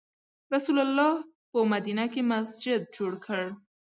رسول الله په مدینه کې مسجد جوړ کړ.